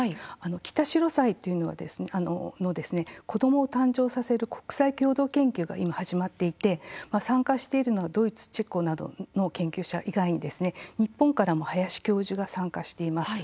キタシロサイの子どもを誕生させる国際共同研究が始まっていて参加しているのはドイツ、チェコなどの研究者以外に日本からも林教授が参加しています。